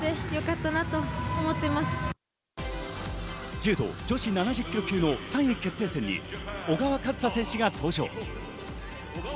柔道女子７０ｋｇ級の３位決定戦に小川和紗選手が登場。